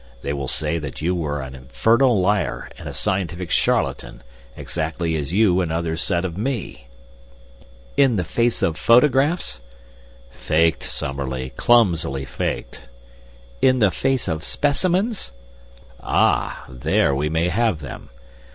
"They will say that you are an infernal liar and a scientific charlatan, exactly as you and others said of me." "In the face of photographs?" "Faked, Summerlee! Clumsily faked!" "In the face of specimens?" "Ah, there we may have them!